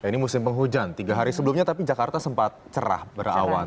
ini musim penghujan tiga hari sebelumnya tapi jakarta sempat cerah berawan